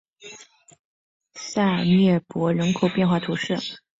塞尔涅博人口变化图示